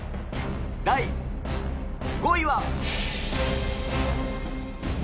第５位は。